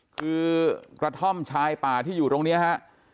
คือกระท่อมชายป่าที่อยู่ตรงนี้ฮะ